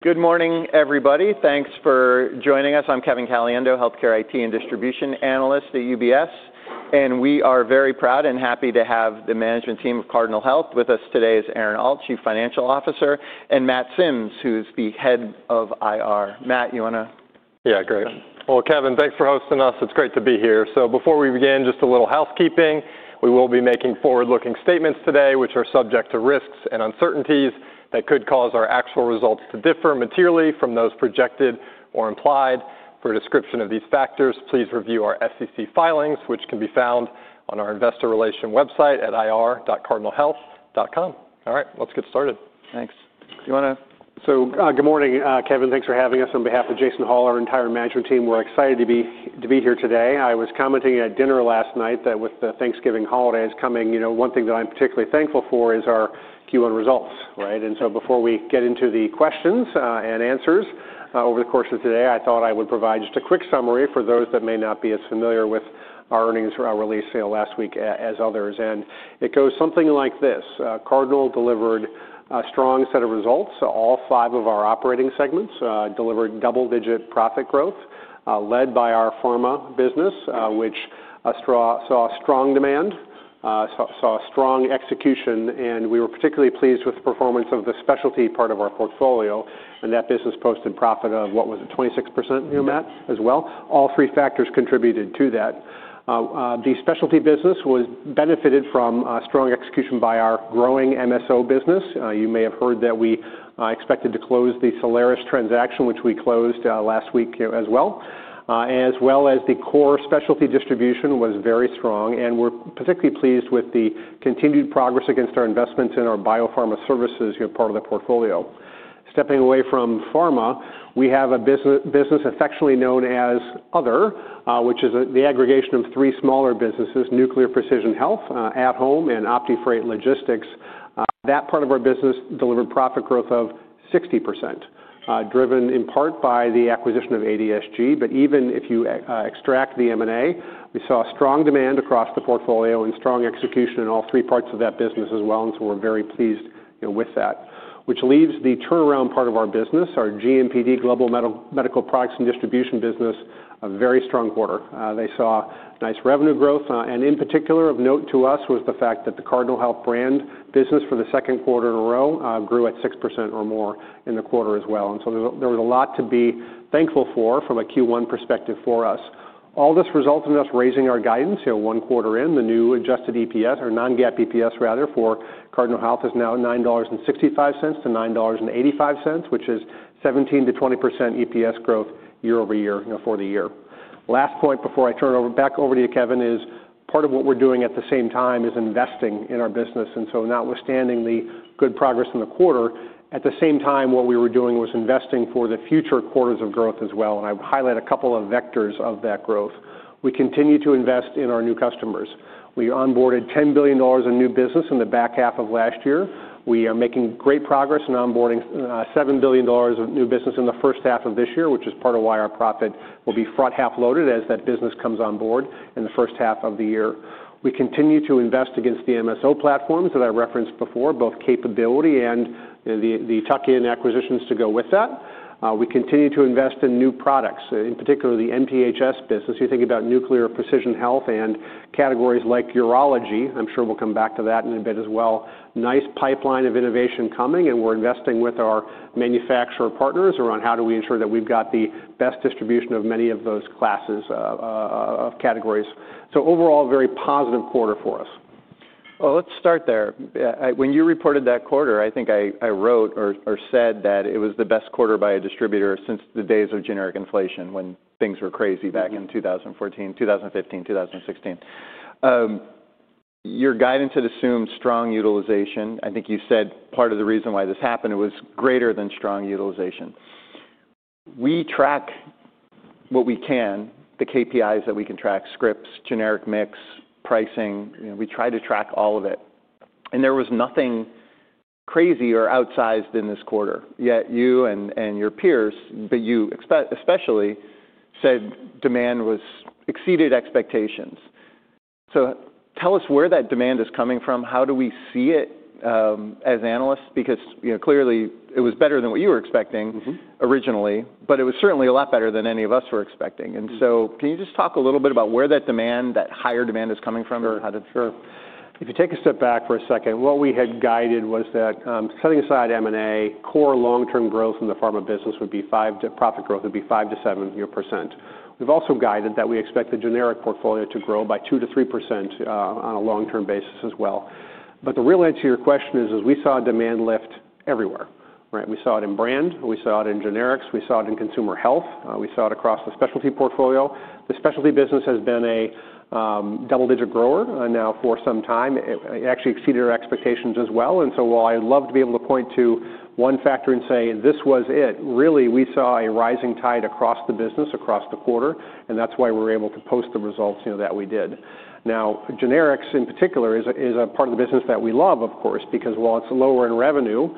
Good morning, everybody. Thanks for joining us. I'm Kevin Caliendo, Healthcare IT and Distribution Analyst at UBS, and we are very proud and happy to have the management team of Cardinal Health with us today. It's Aaron Alt, Chief Financial Officer, and Matt Sims, who's the Head of IR. Matt, you want to? Yeah, great. Kevin, thanks for hosting us. It's great to be here. Before we begin, just a little housekeeping. We will be making forward-looking statements today, which are subject to risks and uncertainties that could cause our actual results to differ materially from those projected or implied. For a description of these factors, please review our SEC filings, which can be found on our investor relation website at ir.cardinalhealth.com. All right, let's get started. Thanks. Do you want to? Good morning, Kevin. Thanks for having us on behalf of Jason Hollar, our entire management team. We're excited to be here today. I was commenting at dinner last night that with the Thanksgiving holidays coming, you know, one thing that I'm particularly thankful for is our Q1 results, right? Before we get into the questions and answers over the course of today, I thought I would provide just a quick summary for those that may not be as familiar with our earnings release last week as others. It goes something like this: Cardinal delivered a strong set of results. All five of our operating segments delivered double-digit profit growth, led by our pharma business, which saw strong demand, saw strong execution, and we were particularly pleased with the performance of the specialty part of our portfolio. That business posted profit of, what was it, 26%, you know, Matt, as well? All three factors contributed to that. The specialty business was benefited from strong execution by our growing MSO business. You may have heard that we expected to close the Solaris transaction, which we closed last week as well. As well as the core specialty distribution was very strong, and we're particularly pleased with the continued progress against our investments in our biopharma services, you know, part of the portfolio. Stepping away from pharma, we have a business affectionately known as Other, which is the aggregation of three smaller businesses: Nuclear Precision Health, At Home, and OptiFreight Logistics. That part of our business delivered profit growth of 60%, driven in part by the acquisition of ADSG. Even if you extract the M&A, we saw strong demand across the portfolio and strong execution in all three parts of that business as well. We are very pleased with that. Which leaves the turnaround part of our business, our GMPD, Global Medical Products and Distribution business, a very strong quarter. They saw nice revenue growth. In particular, of note to us was the fact that the Cardinal Health brand business for the second quarter in a row grew at 6% or more in the quarter as well. There was a lot to be thankful for from a Q1 perspective for us. All this resulted in us raising our guidance, you know, one quarter in, the new adjusted EPS, or non-GAAP EPS rather, for Cardinal Health is now $9.65-$9.85, which is 17%-20% EPS growth year over year for the year. Last point before I turn it back over to you, Kevin, is part of what we're doing at the same time is investing in our business. Notwithstanding the good progress in the quarter, at the same time, what we were doing was investing for the future quarters of growth as well. I would highlight a couple of vectors of that growth. We continue to invest in our new customers. We onboarded $10 billion in new business in the back half of last year. We are making great progress in onboarding $7 billion of new business in the first half of this year, which is part of why our profit will be front half loaded as that business comes on board in the first half of the year. We continue to invest against the MSO platforms that I referenced before, both capability and the tuck-in acquisitions to go with that. We continue to invest in new products, in particular the NPHS business. You think about Nuclear Precision Health and categories like urology. I'm sure we'll come back to that in a bit as well. Nice pipeline of innovation coming, and we're investing with our manufacturer partners around how do we ensure that we've got the best distribution of many of those classes of categories. Overall, a very positive quarter for us. Let's start there. When you reported that quarter, I think I wrote or said that it was the best quarter by a distributor since the days of generic inflation when things were crazy back in 2014, 2015, 2016. Your guidance had assumed strong utilization. I think you said part of the reason why this happened was greater than strong utilization. We track what we can, the KPIs that we can track: scripts, generic mix, pricing. We try to track all of it. There was nothing crazy or outsized in this quarter. Yet you and your peers, but you especially, said demand exceeded expectations. Tell us where that demand is coming from. How do we see it as analysts? Clearly it was better than what you were expecting originally, but it was certainly a lot better than any of us were expecting. Can you just talk a little bit about where that demand, that higher demand is coming from? Sure. If you take a step back for a second, what we had guided was that setting aside M&A, core long-term growth in the pharma business would be 5-7% profit growth. We have also guided that we expect the generic portfolio to grow by 2-3% on a long-term basis as well. The real answer to your question is, we saw a demand lift everywhere, right? We saw it in brand, we saw it in generics, we saw it in consumer health, we saw it across the specialty portfolio. The specialty business has been a double-digit grower now for some time. It actually exceeded our expectations as well. While I would love to be able to point to one factor and say this was it, really we saw a rising tide across the business, across the quarter, and that is why we were able to post the results that we did. Now, generics in particular is a part of the business that we love, of course, because while it is lower in revenue,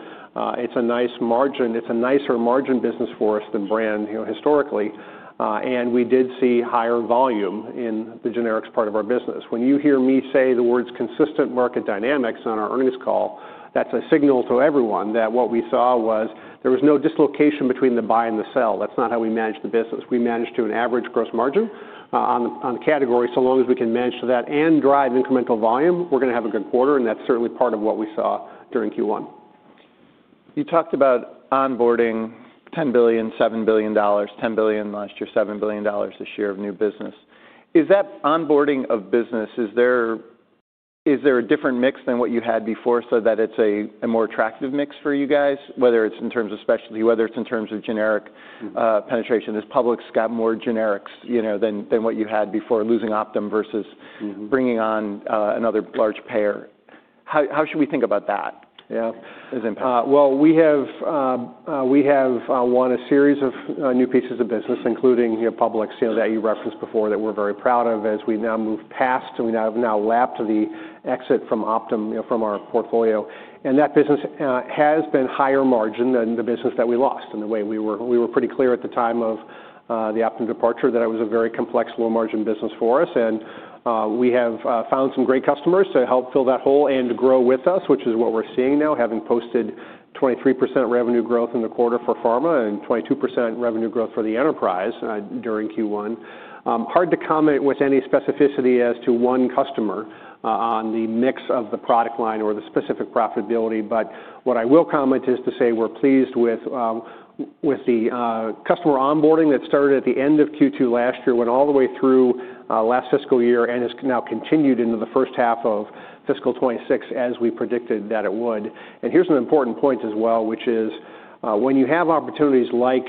it is a nice margin, it is a nicer margin business for us than brand historically. We did see higher volume in the generics part of our business. When you hear me say the words consistent market dynamics on our earnings call, that is a signal to everyone that what we saw was there was no dislocation between the buy and the sell. That is not how we managed the business. We managed to an average gross margin on the category. As long as we can manage to that and drive incremental volume, we're going to have a good quarter. That's certainly part of what we saw during Q1. You talked about onboarding $10 billion, $7 billion, $10 billion last year, $7 billion this year of new business. Is that onboarding of business, is there a different mix than what you had before so that it's a more attractive mix for you guys, whether it's in terms of specialty, whether it's in terms of generic penetration? Has Publix got more generics than what you had before, losing Optum versus bringing on another large payer? How should we think about that? Yeah, we have won a series of new pieces of business, including Publix that you referenced before that we're very proud of as we now move past and we have now lapped the exit from Optum from our portfolio. That business has been higher margin than the business that we lost. The way we were pretty clear at the time of the Optum departure that it was a very complex low margin business for us. We have found some great customers to help fill that hole and grow with us, which is what we're seeing now, having posted 23% revenue growth in the quarter for pharma and 22% revenue growth for the enterprise during Q1. Hard to comment with any specificity as to one customer on the mix of the product line or the specific profitability. What I will comment is to say we're pleased with the customer onboarding that started at the end of Q2 last year, went all the way through last fiscal year and has now continued into the first half of fiscal 2026 as we predicted that it would. Here's an important point as well, which is when you have opportunities like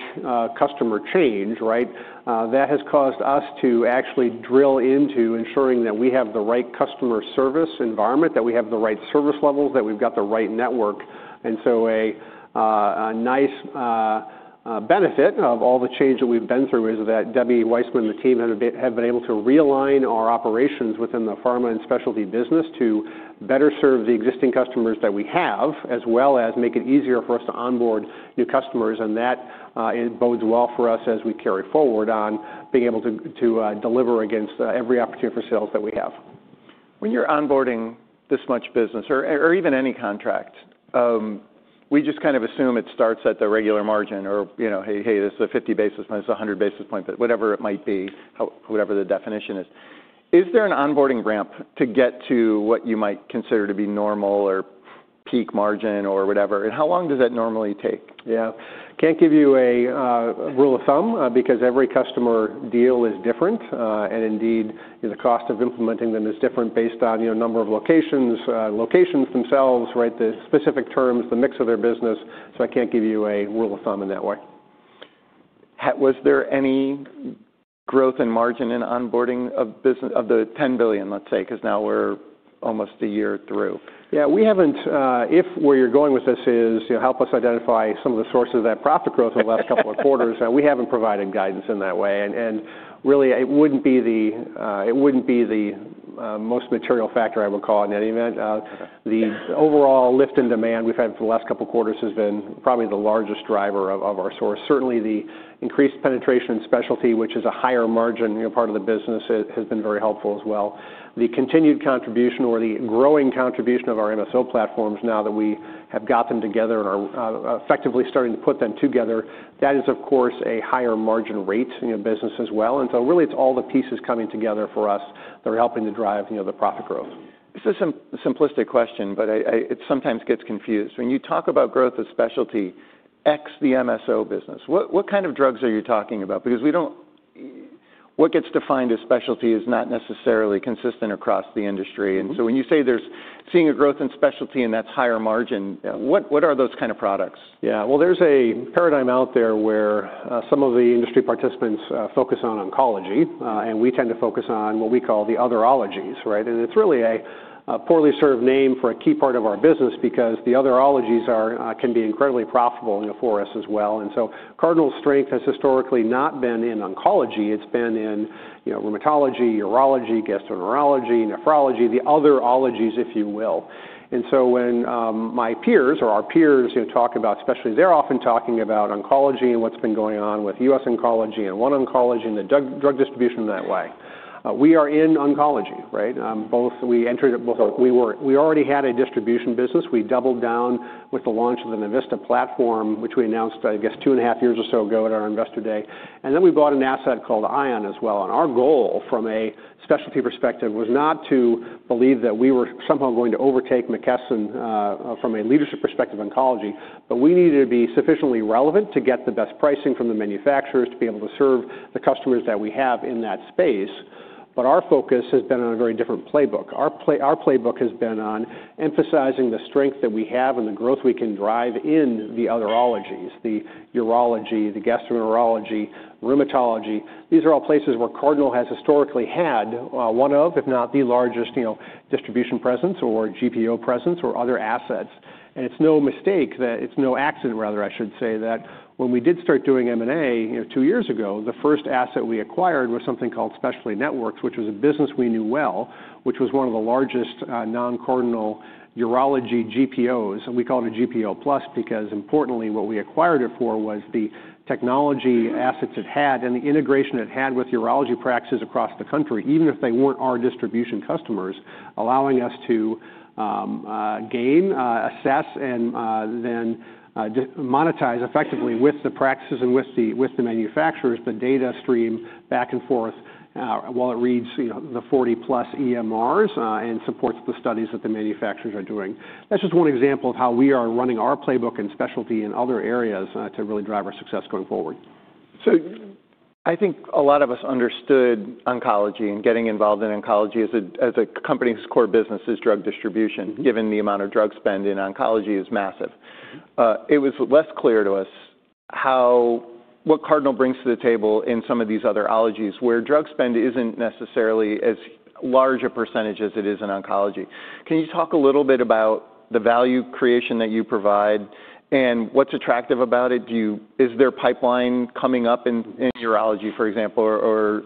customer change, right, that has caused us to actually drill into ensuring that we have the right customer service environment, that we have the right service levels, that we've got the right network. A nice benefit of all the change that we've been through is that Debbie Weitzman and the team have been able to realign our operations within the pharma and specialty business to better serve the existing customers that we have, as well as make it easier for us to onboard new customers. That bodes well for us as we carry forward on being able to deliver against every opportunity for sales that we have. When you're onboarding this much business or even any contract, we just kind of assume it starts at the regular margin or, you know, hey, this is a 50 basis point, this is a 100 basis point, whatever it might be, whatever the definition is. Is there an onboarding ramp to get to what you might consider to be normal or peak margin or whatever? How long does that normally take? Yeah, can't give you a rule of thumb because every customer deal is different. Indeed, the cost of implementing them is different based on number of locations, locations themselves, right, the specific terms, the mix of their business. I can't give you a rule of thumb in that way. Was there any growth in margin in onboarding of the $10 billion, let's say, because now we're almost a year through? Yeah, we haven't. If where you're going with this is help us identify some of the sources of that profit growth in the last couple of quarters, we haven't provided guidance in that way. It wouldn't be the most material factor, I would call it in any event. The overall lift in demand we've had for the last couple of quarters has been probably the largest driver of our source. Certainly, the increased penetration in specialty, which is a higher margin part of the business, has been very helpful as well. The continued contribution or the growing contribution of our MSO platforms now that we have got them together and are effectively starting to put them together, that is, of course, a higher margin rate in the business as well. Really, it's all the pieces coming together for us that are helping to drive the profit growth. This is a simplistic question, but it sometimes gets confused. When you talk about growth of specialty, ex the MSO business, what kind of drugs are you talking about? Because what gets defined as specialty is not necessarily consistent across the industry. When you say there's seeing a growth in specialty and that's higher margin, what are those kind of products? Yeah, there is a paradigm out there where some of the industry participants focus on oncology, and we tend to focus on what we call the otherology, right? It is really a poorly served name for a key part of our business because the otherologies can be incredibly profitable for us as well. Cardinal's strength has historically not been in oncology. It has been in rheumatology, urology, gastroenterology, nephrology, the otherologies, if you will. When my peers or our peers talk about specialties, they are often talking about oncology and what has been going on with US Oncology and One Oncology and the drug distribution in that way. We are in oncology, right? We entered it. We already had a distribution business. We doubled down with the launch of the Navista platform, which we announced, I guess, two and a half years or so ago at our investor day. We bought an asset called ION as well. Our goal from a specialty perspective was not to believe that we were somehow going to overtake McKesson from a leadership perspective in oncology, but we needed to be sufficiently relevant to get the best pricing from the manufacturers to be able to serve the customers that we have in that space. Our focus has been on a very different playbook. Our playbook has been on emphasizing the strength that we have and the growth we can drive in the otherologies: the urology, the gastroenterology, rheumatology. These are all places where Cardinal has historically had one of, if not the largest distribution presence or GPO presence or other assets. It is no mistake that it is no accident, rather, I should say, that when we did start doing M&A two years ago, the first asset we acquired was something called Specialty Networks, which was a business we knew well, which was one of the largest non-Cardinal urology GPOs. We called it a GPO plus because importantly, what we acquired it for was the technology assets it had and the integration it had with urology practices across the country, even if they were not our distribution customers, allowing us to gain, assess, and then monetize effectively with the practices and with the manufacturers, the data stream back and forth while it reads the 40 plus EMRs and supports the studies that the manufacturers are doing. That is just one example of how we are running our playbook and specialty in other areas to really drive our success going forward. I think a lot of us understood oncology and getting involved in oncology as a company's core business is drug distribution, given the amount of drug spend in oncology is massive. It was less clear to us what Cardinal brings to the table in some of these otherologies where drug spend isn't necessarily as large a percentage as it is in oncology. Can you talk a little bit about the value creation that you provide and what's attractive about it? Is there pipeline coming up in urology, for example, or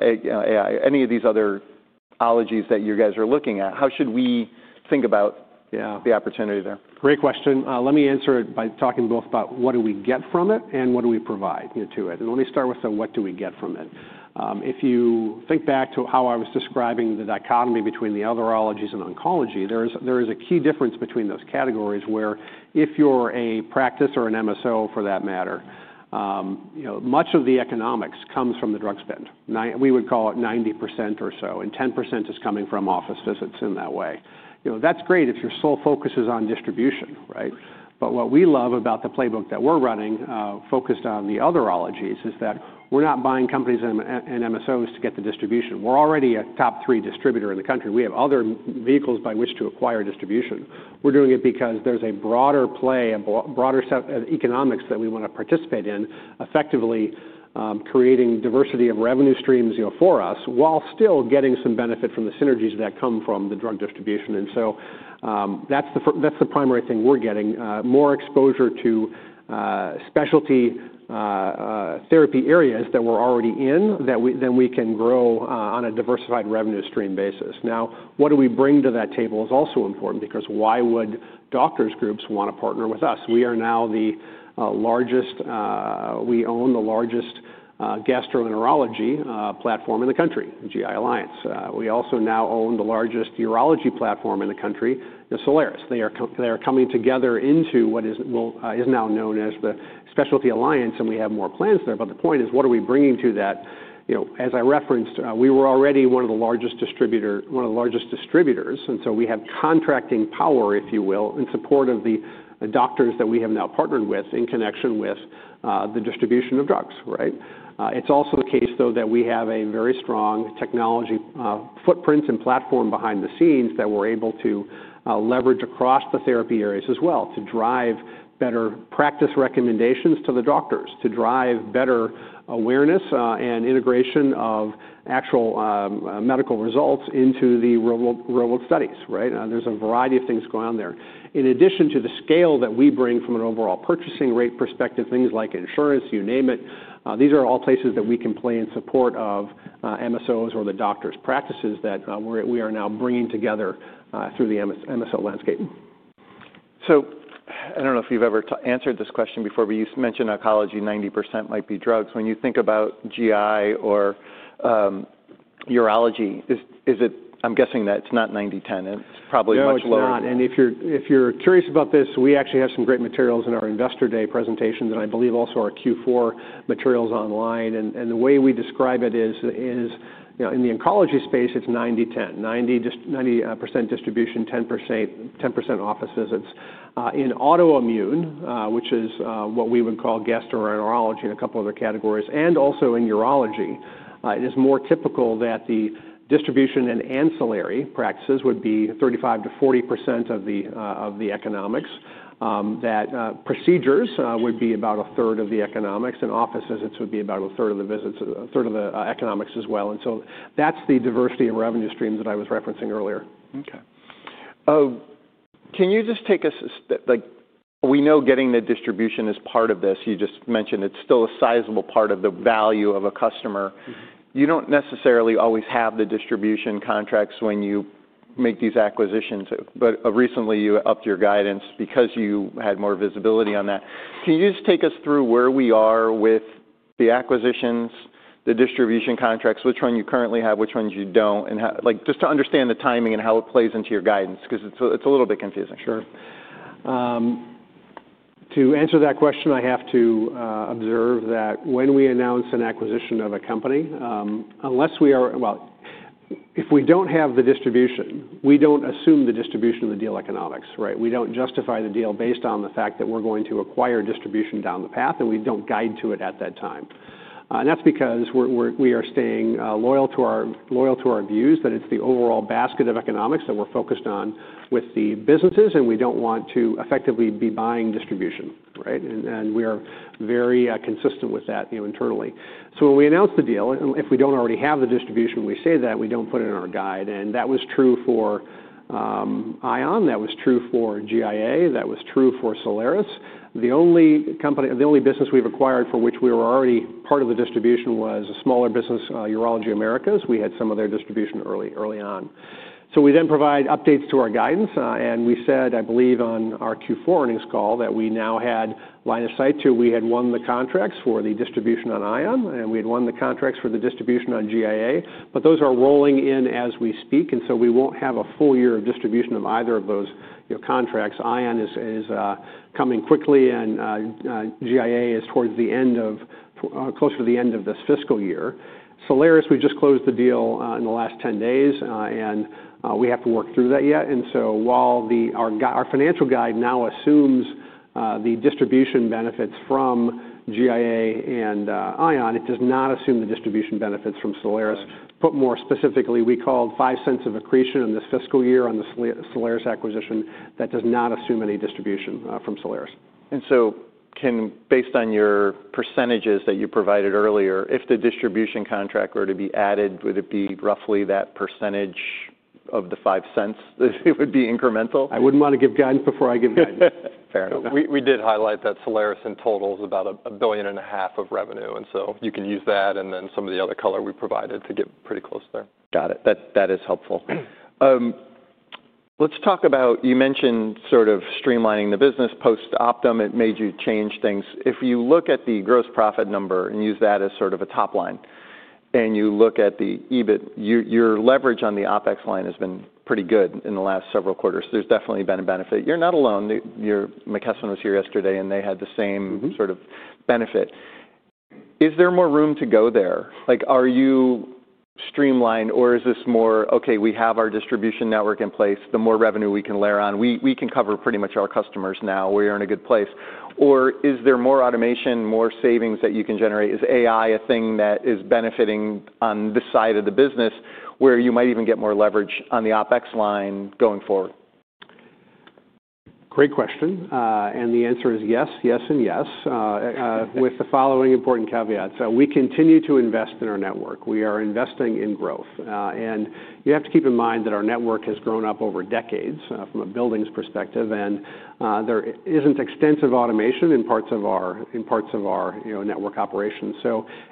any of these otherologies that you guys are looking at? How should we think about the opportunity there? Great question. Let me answer it by talking both about what do we get from it and what do we provide to it. Let me start with what do we get from it. If you think back to how I was describing the dichotomy between the otherologies and oncology, there is a key difference between those categories where if you're a practice or an MSO for that matter, much of the economics comes from the drug spend. We would call it 90% or so, and 10% is coming from office visits in that way. That's great if your sole focus is on distribution, right? What we love about the playbook that we're running focused on the otherologies is that we're not buying companies and MSOs to get the distribution. We're already a top three distributor in the country. We have other vehicles by which to acquire distribution. We're doing it because there's a broader play, a broader set of economics that we want to participate in, effectively creating diversity of revenue streams for us while still getting some benefit from the synergies that come from the drug distribution. That is the primary thing we're getting: more exposure to specialty therapy areas that we're already in, that we can grow on a diversified revenue stream basis. Now, what do we bring to that table is also important because why would doctors' groups want to partner with us? We are now the largest, we own the largest gastroenterology platform in the country, GI Alliance. We also now own the largest urology platform in the country, Solaris. They are coming together into what is now known as the Specialty Alliance, and we have more plans there. The point is, what are we bringing to that? As I referenced, we were already one of the largest distributors. And so we have contracting power, if you will, in support of the doctors that we have now partnered with in connection with the distribution of drugs, right? It's also the case, though, that we have a very strong technology footprint and platform behind the scenes that we're able to leverage across the therapy areas as well to drive better practice recommendations to the doctors, to drive better awareness and integration of actual medical results into the real-world studies, right? There's a variety of things going on there. In addition to the scale that we bring from an overall purchasing rate perspective, things like insurance, you name it, these are all places that we can play in support of MSOs or the doctors' practices that we are now bringing together through the MSO landscape. I do not know if you have ever answered this question before, but you mentioned oncology 90% might be drugs. When you think about GI or urology, is it, I am guessing that it is not 90-10, it is probably much lower. No, it's not. If you're curious about this, we actually have some great materials in our investor day presentations and I believe also our Q4 materials online. The way we describe it is in the oncology space, it's 90-10, 90% distribution, 10% office visits. In autoimmune, which is what we would call gastroenterology and a couple of other categories, and also in urology, it is more typical that the distribution and ancillary practices would be 35-40% of the economics, that procedures would be about a third of the economics, and office visits would be about a third of the economics as well. That's the diversity of revenue streams that I was referencing earlier. Okay. Can you just take us, we know getting the distribution is part of this, you just mentioned it's still a sizable part of the value of a customer. You don't necessarily always have the distribution contracts when you make these acquisitions, but recently you upped your guidance because you had more visibility on that. Can you just take us through where we are with the acquisitions, the distribution contracts, which one you currently have, which ones you don't, and just to understand the timing and how it plays into your guidance because it's a little bit confusing. Sure. To answer that question, I have to observe that when we announce an acquisition of a company, unless we are, well, if we don't have the distribution, we don't assume the distribution of the deal economics, right? We don't justify the deal based on the fact that we're going to acquire distribution down the path and we don't guide to it at that time. That's because we are staying loyal to our views that it's the overall basket of economics that we're focused on with the businesses and we don't want to effectively be buying distribution, right? We are very consistent with that internally. When we announce the deal, if we don't already have the distribution, we say that we don't put it in our guide. That was true for ION, that was true for GI Alliance, that was true for Solaris. The only business we have acquired for which we were already part of the distribution was a smaller business, Urology Americas. We had some of their distribution early on. We then provide updates to our guidance and we said, I believe on our Q4 earnings call that we now had line of sight to we had won the contracts for the distribution on ION and we had won the contracts for the distribution on GI Alliance, but those are rolling in as we speak. We will not have a full year of distribution of either of those contracts. ION is coming quickly and GI Alliance is closer to the end of this fiscal year. Solaris, we just closed the deal in the last 10 days and we have to work through that yet. While our financial guide now assumes the distribution benefits from GI Alliance and ION, it does not assume the distribution benefits from Solaris. Put more specifically, we called $0.05 of accretion in this fiscal year on the Solaris acquisition that does not assume any distribution from Solaris. Can, based on your percentages that you provided earlier, if the distribution contract were to be added, would it be roughly that percentage of the $0.05 that it would be incremental? I wouldn't want to give guidance before I give guidance. Fair enough. We did highlight that Solaris in total is about $1.5 billion of revenue. And so you can use that and then some of the other color we provided to get pretty close there. Got it. That is helpful. Let's talk about, you mentioned sort of streamlining the business post-Optum. It made you change things. If you look at the gross profit number and use that as sort of a top line and you look at the EBIT, your leverage on the OpEx line has been pretty good in the last several quarters. There's definitely been a benefit. You're not alone. McKesson was here yesterday and they had the same sort of benefit. Is there more room to go there? Are you streamlined or is this more, okay, we have our distribution network in place, the more revenue we can layer on, we can cover pretty much our customers now, we are in a good place. Is there more automation, more savings that you can generate? Is AI a thing that is benefiting on the side of the business where you might even get more leverage on the OpEx line going forward? Great question. The answer is yes, yes and yes, with the following important caveats. We continue to invest in our network. We are investing in growth. You have to keep in mind that our network has grown up over decades from a buildings perspective and there is not extensive automation in parts of our network operations.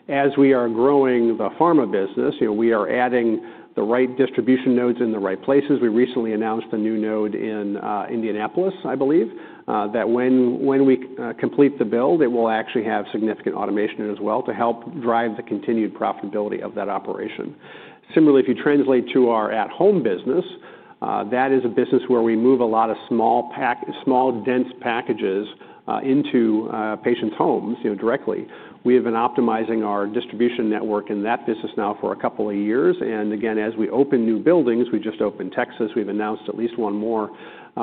As we are growing the pharma business, we are adding the right distribution nodes in the right places. We recently announced a new node in Indianapolis, I believe, that when we complete the build, it will actually have significant automation as well to help drive the continued profitability of that operation. Similarly, if you translate to our at-home business, that is a business where we move a lot of small, dense packages into patients' homes directly. We have been optimizing our distribution network in that business now for a couple of years. As we open new buildings, we just opened Texas, we've announced at least one more.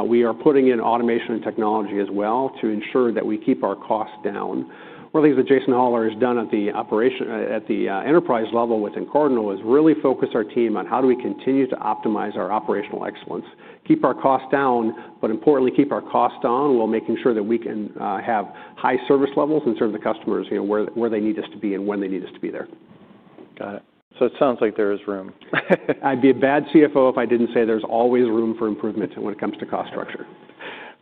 We are putting in automation and technology as well to ensure that we keep our costs down. One of the things that Jason Hollar has done at the enterprise level within Cardinal is really focus our team on how do we continue to optimize our operational excellence, keep our costs down, but importantly, keep our costs down while making sure that we can have high service levels and serve the customers where they need us to be and when they need us to be there. Got it. So it sounds like there is room. I'd be a bad CFO if I didn't say there's always room for improvement when it comes to cost structure.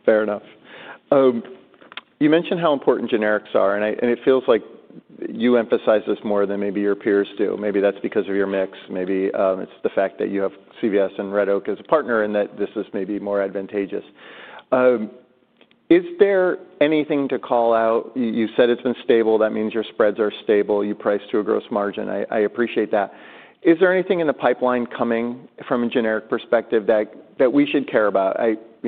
Fair enough. You mentioned how important generics are, and it feels like you emphasize this more than maybe your peers do. Maybe that's because of your mix. Maybe it's the fact that you have CVS and Red Oak as a partner and that this is maybe more advantageous. Is there anything to call out? You said it's been stable. That means your spreads are stable. You price to a gross margin. I appreciate that. Is there anything in the pipeline coming from a generic perspective that we should care about?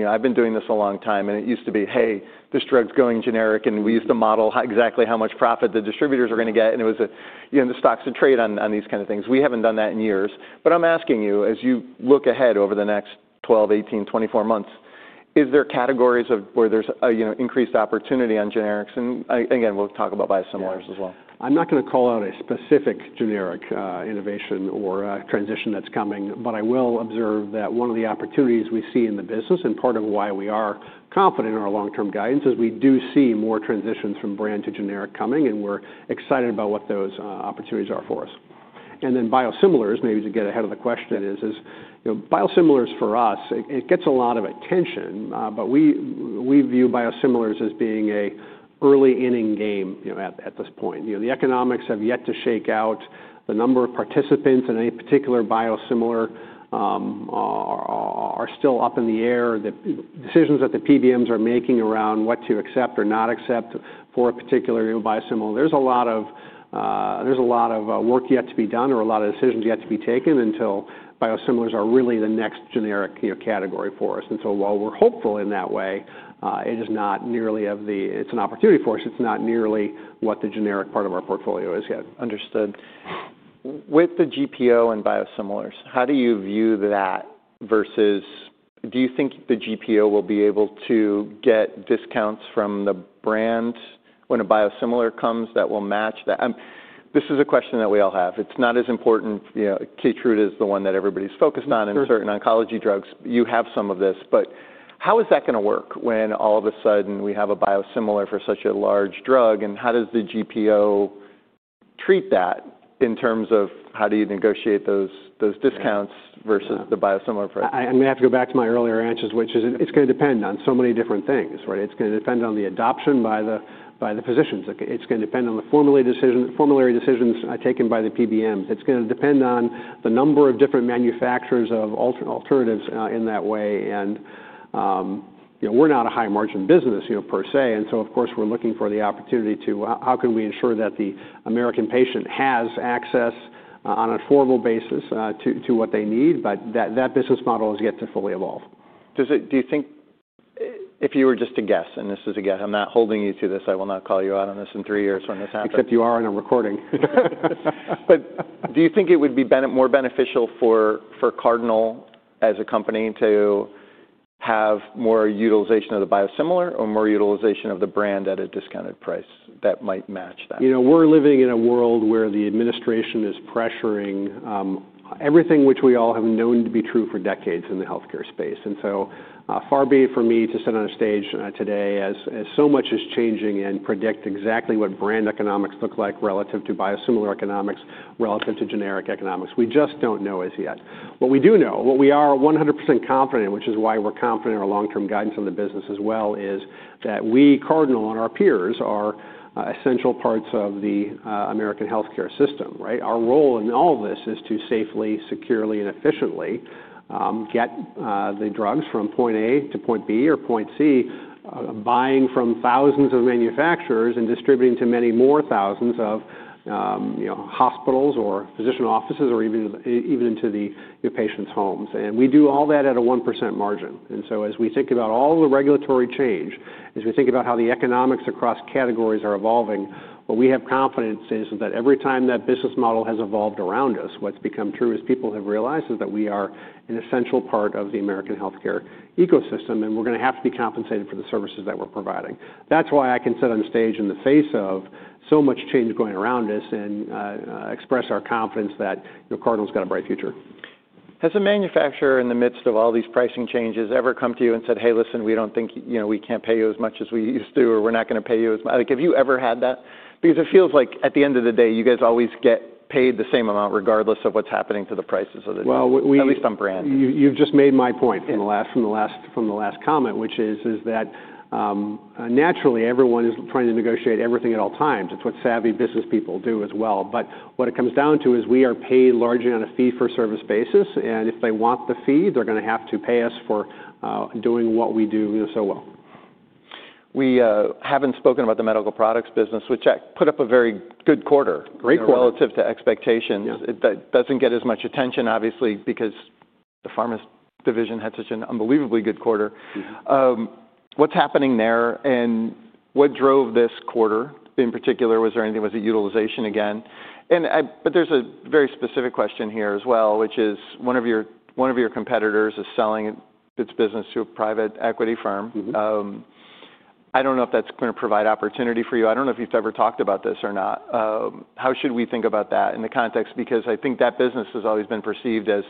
I've been doing this a long time and it used to be, hey, this drug's going generic and we used to model exactly how much profit the distributors are going to get. And it was the stocks to trade on these kinds of things. We haven't done that in years. I'm asking you, as you look ahead over the next 12, 18, 24 months, is there categories where there's increased opportunity on generics? Again, we'll talk about biosimilars as well. I'm not going to call out a specific generic innovation or transition that's coming, but I will observe that one of the opportunities we see in the business and part of why we are confident in our long-term guidance is we do see more transitions from brand to generic coming, and we're excited about what those opportunities are for us. Biosimilars, maybe to get ahead of the question, is, biosimilars for us, it gets a lot of attention, but we view biosimilars as being an early inning game at this point. The economics have yet to shake out. The number of participants in any particular biosimilar are still up in the air. The decisions that the PBMs are making around what to accept or not accept for a particular biosimilar, there is a lot of work yet to be done or a lot of decisions yet to be taken until biosimilars are really the next generic category for us. While we are hopeful in that way, it is not nearly of the, it is an opportunity for us. It is not nearly what the generic part of our portfolio is yet. Understood. With the GPO and biosimilars, how do you view that versus, do you think the GPO will be able to get discounts from the brand when a biosimilar comes that will match that? This is a question that we all have. It's not as important. Keytruda is the one that everybody's focused on in certain oncology drugs. You have some of this, but how is that going to work when all of a sudden we have a biosimilar for such a large drug? How does the GPO treat that in terms of how do you negotiate those discounts versus the biosimilar? I'm going to have to go back to my earlier answers, which is it's going to depend on so many different things, right? It's going to depend on the adoption by the physicians. It's going to depend on the formulary decisions taken by the PBMs. It's going to depend on the number of different manufacturers of alternatives in that way. We're not a high-margin business per se. Of course, we're looking for the opportunity to, how can we ensure that the American patient has access on an affordable basis to what they need? That business model has yet to fully evolve. Do you think if you were just to guess, and this is a guess, I'm not holding you to this. I will not call you out on this in three years when this happens. Except you are in a recording. Do you think it would be more beneficial for Cardinal as a company to have more utilization of the biosimilar or more utilization of the brand at a discounted price that might match that? We're living in a world where the administration is pressuring everything which we all have known to be true for decades in the healthcare space. Far be it for me to sit on a stage today as so much is changing and predict exactly what brand economics look like relative to biosimilar economics, relative to generic economics. We just do not know as yet. What we do know, what we are 100% confident in, which is why we are confident in our long-term guidance on the business as well, is that we, Cardinal and our peers, are essential parts of the American healthcare system, right? Our role in all of this is to safely, securely, and efficiently get the drugs from point A to point B or point C, buying from thousands of manufacturers and distributing to many more thousands of hospitals or physician offices or even into the patients' homes. We do all that at a 1% margin. As we think about all the regulatory change, as we think about how the economics across categories are evolving, what we have confidence is that every time that business model has evolved around us, what's become true is people have realized is that we are an essential part of the American healthcare ecosystem and we're going to have to be compensated for the services that we're providing. That's why I can sit on stage in the face of so much change going around us and express our confidence that Cardinal's got a bright future. Has a manufacturer in the midst of all these pricing changes ever come to you and said, "Hey, listen, we don't think we can't pay you as much as we used to," or, "We're not going to pay you as much." Have you ever had that? Because it feels like at the end of the day, you guys always get paid the same amount regardless of what's happening to the prices of the drugs, at least on brand. You've just made my point from the last comment, which is that naturally everyone is trying to negotiate everything at all times. It's what savvy business people do as well. What it comes down to is we are paid largely on a fee-for-service basis. If they want the fee, they're going to have to pay us for doing what we do so well. We haven't spoken about the medical products business, which put up a very good quarter. Great quarter. Relative to expectations. It does not get as much attention, obviously, because the pharma division had such an unbelievably good quarter. What is happening there and what drove this quarter in particular? Was there anything? Was it utilization again? There is a very specific question here as well, which is one of your competitors is selling its business to a private equity firm. I do not know if that is going to provide opportunity for you. I do not know if you have ever talked about this or not. How should we think about that in the context? I think that business has always been perceived as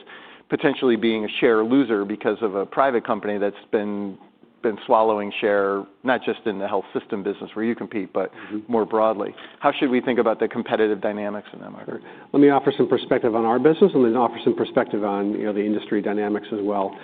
potentially being a share loser because of a private company that has been swallowing share, not just in the health system business where you compete, but more broadly. How should we think about the competitive dynamics in that market? Let me offer some perspective on our business and then offer some perspective on the industry dynamics as well.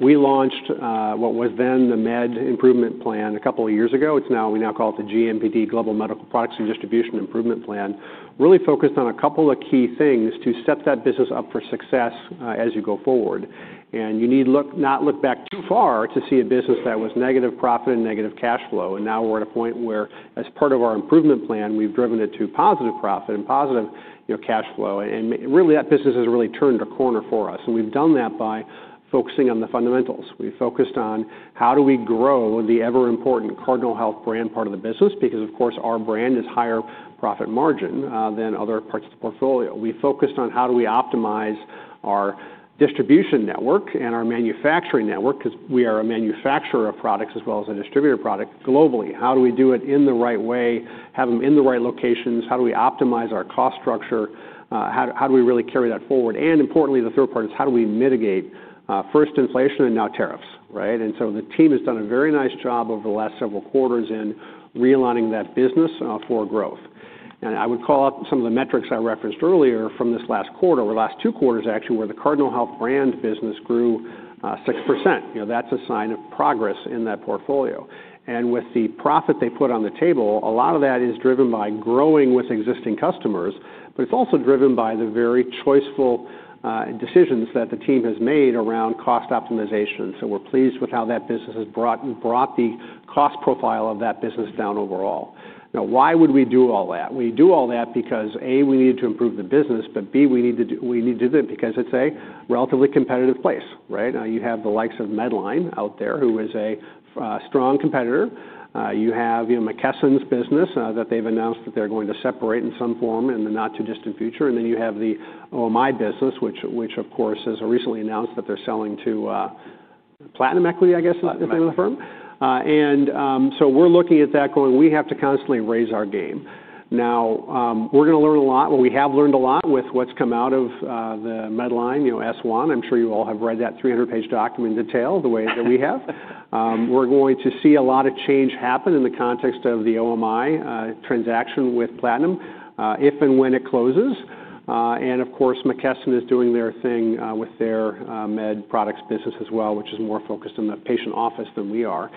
We launched what was then the Med Improvement Plan a couple of years ago. We now call it the GMPD, Global Medical Products and Distribution Improvement Plan, really focused on a couple of key things to set that business up for success as you go forward. You need to not look back too far to see a business that was negative profit and negative cash flow. Now we're at a point where, as part of our improvement plan, we've driven it to positive profit and positive cash flow. That business has really turned a corner for us. We've done that by focusing on the fundamentals. We focused on how do we grow the ever-important Cardinal Health brand part of the business because, of course, our brand is higher profit margin than other parts of the portfolio. We focused on how do we optimize our distribution network and our manufacturing network because we are a manufacturer of products as well as a distributor product globally. How do we do it in the right way, have them in the right locations? How do we optimize our cost structure? How do we really carry that forward? Importantly, the third part is how do we mitigate first inflation and now tariffs, right? The team has done a very nice job over the last several quarters in realigning that business for growth. I would call out some of the metrics I referenced earlier from this last quarter or last two quarters actually where the Cardinal Health brand business grew 6%. That is a sign of progress in that portfolio. With the profit they put on the table, a lot of that is driven by growing with existing customers, but it is also driven by the very choiceful decisions that the team has made around cost optimization. We are pleased with how that business has brought the cost profile of that business down overall. Now, why would we do all that? We do all that because, A, we needed to improve the business, but B, we need to do that because it is a relatively competitive place, right? Now you have the likes of Medline out there who is a strong competitor. You have McKesson's business that they've announced that they're going to separate in some form in the not too distant future. You have the OMI business, which of course has recently announced that they're selling to Platinum Equity, I guess is the name of the firm. We're looking at that going, we have to constantly raise our game. Now we're going to learn a lot. We have learned a lot with what's come out of the Medline S1. I'm sure you all have read that 300-page document in detail the way that we have. We're going to see a lot of change happen in the context of the OMI transaction with Platinum if and when it closes. Of course, McKesson is doing their thing with their med products business as well, which is more focused in the patient office than we are.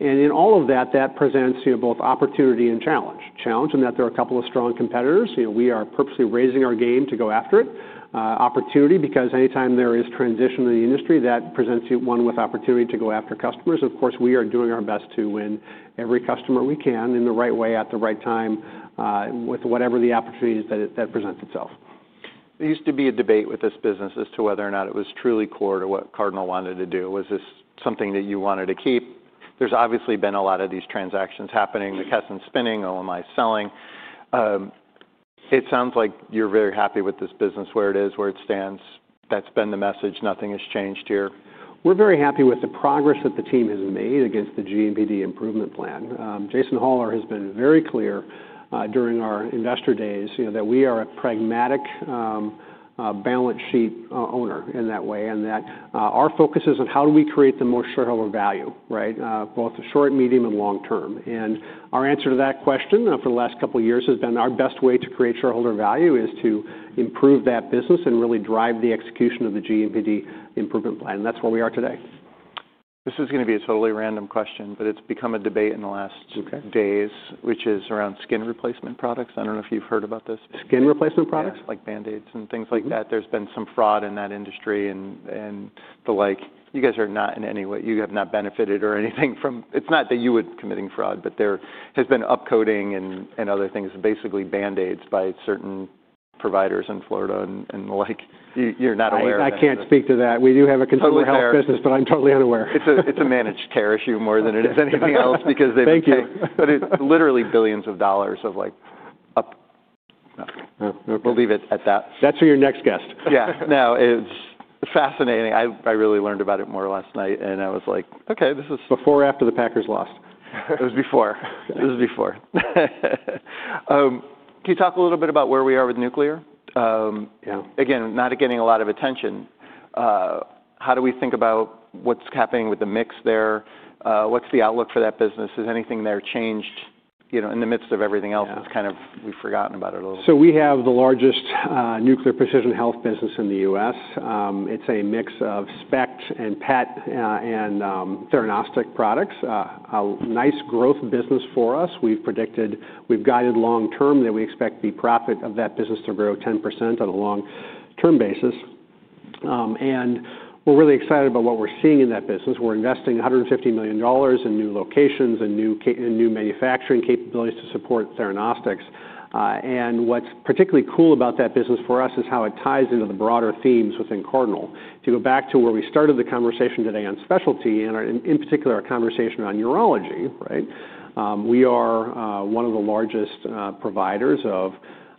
In all of that, that presents both opportunity and challenge. Challenge in that there are a couple of strong competitors. We are purposely raising our game to go after it. Opportunity because anytime there is transition in the industry, that presents one with opportunity to go after customers. Of course, we are doing our best to win every customer we can in the right way at the right time with whatever the opportunities that present itself. There used to be a debate with this business as to whether or not it was truly core to what Cardinal wanted to do. Was this something that you wanted to keep? There's obviously been a lot of these transactions happening. McKesson's spinning, OMI's selling. It sounds like you're very happy with this business where it is, where it stands. That's been the message. Nothing has changed here. We're very happy with the progress that the team has made against the GMPD Improvement Plan. Jason Hollar has been very clear during our investor days that we are a pragmatic balance sheet owner in that way and that our focus is on how do we create the most shareholder value, right? Both short, medium, and long term. Our answer to that question for the last couple of years has been our best way to create shareholder value is to improve that business and really drive the execution of the GMPD Improvement Plan. That's where we are today. This is going to be a totally random question, but it's become a debate in the last days, which is around skin replacement products. I don't know if you've heard about this. Skin replacement products. Like Band-Aids and things like that. There's been some fraud in that industry and the like. You guys are not in any way, you have not benefited or anything from, it's not that you would be committing fraud, but there has been upcoding and other things, basically Band-Aids by certain providers in Florida and the like. You're not aware of that. I can't speak to that. We do have a consumer health business, but I'm totally unaware. It's a managed care issue more than it is anything else because they became. Thank you. It's literally billions of dollars of like, we'll leave it at that. That's for your next guest. Yeah. Now it's fascinating. I really learned about it more last night and I was like, okay, this is. Before or after the Packers lost? It was before. Can you talk a little bit about where we are with nuclear? Again, not getting a lot of attention. How do we think about what's happening with the mix there? What's the outlook for that business? Has anything there changed in the midst of everything else? It's kind of we've forgotten about it a little bit. We have the largest nuclear precision health business in the U.S. It's a mix of SPECT and PET and theranostic products. A nice growth business for us. We've predicted, we've guided long term that we expect the profit of that business to grow 10% on a long-term basis. We're really excited about what we're seeing in that business. We're investing $150 million in new locations and new manufacturing capabilities to support theranostics. What's particularly cool about that business for us is how it ties into the broader themes within Cardinal. If you go back to where we started the conversation today on specialty and in particular our conversation on urology, right? We are one of the largest providers of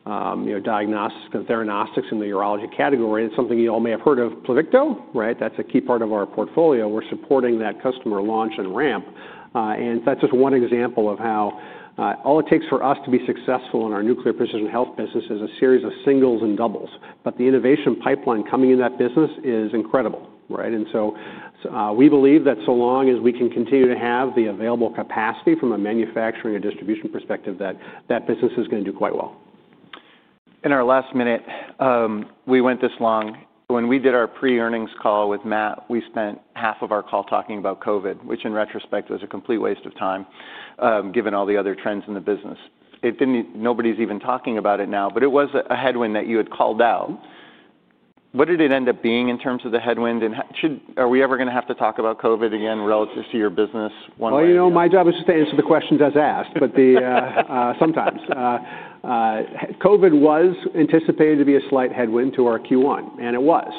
diagnostics and theranostics in the urology category. It's something you all may have heard of, Pluvicto? Right? That's a key part of our portfolio. We're supporting that customer launch and ramp. That's just one example of how all it takes for us to be successful in our nuclear precision health business is a series of singles and doubles. The innovation pipeline coming in that business is incredible, right? We believe that so long as we can continue to have the available capacity from a manufacturing and distribution perspective, that that business is going to do quite well. In our last minute, we went this long. When we did our pre-earnings call with Matt, we spent half of our call talking about COVID, which in retrospect was a complete waste of time given all the other trends in the business. Nobody's even talking about it now, but it was a headwind that you had called out. What did it end up being in terms of the headwind? Are we ever going to have to talk about COVID again relative to your business one way or another? You know, my job is just to answer the questions as asked, but sometimes. COVID was anticipated to be a slight headwind to our Q1, and it was.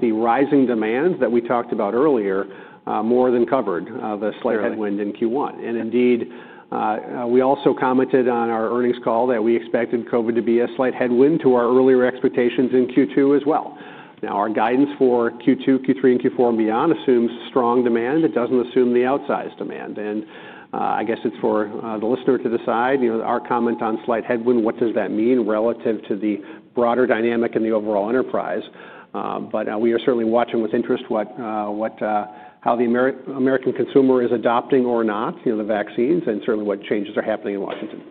The rising demands that we talked about earlier more than covered the slight headwind in Q1. Indeed, we also commented on our earnings call that we expected COVID to be a slight headwind to our earlier expectations in Q2 as well. Now our guidance for Q2, Q3, and Q4 and beyond assumes strong demand. It does not assume the outsized demand. I guess it is for the listener to decide, our comment on slight headwind, what does that mean relative to the broader dynamic in the overall enterprise? We are certainly watching with interest how the American consumer is adopting or not the vaccines and certainly what changes are happening in Washington.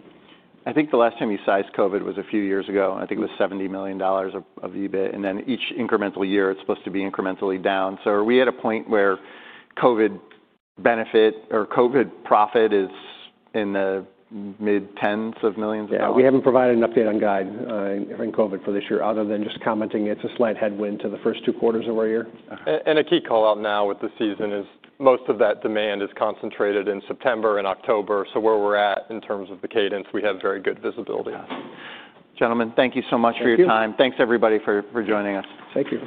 I think the last time you sized COVID was a few years ago. I think it was $70 million of EBIT. And then each incremental year, it's supposed to be incrementally down. Are we at a point where COVID benefit or COVID profit is in the mid-tens of millions of dollars? Yeah, we haven't provided an update on guide for COVID for this year other than just commenting it's a slight headwind to the first two quarters of our year. A key call out now with the season is most of that demand is concentrated in September and October. Where we're at in terms of the cadence, we have very good visibility. Gentlemen, thank you so much for your time. Thanks everybody for joining us. Thank you.